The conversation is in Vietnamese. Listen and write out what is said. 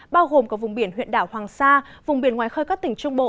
bao gồm cả vùng biển huyện đảo hoàng sa vùng biển ngoài khơi các tỉnh trung bộ